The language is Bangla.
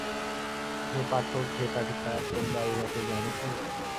হে পাঠক, হে পাঠিকা, তোমরা উঁহাকে জান কি।